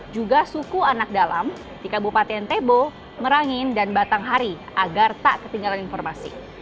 juga suku anak dalam di kabupaten tebo merangin dan batanghari agar tak ketinggalan informasi